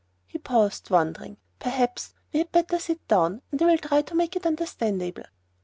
He paused, pondering. "Perhaps we had better sit down and I will try to make it understandable."